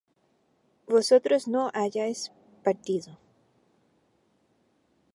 vosotros no hayáis partido